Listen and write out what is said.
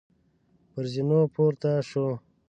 پر زینو پورته شوو.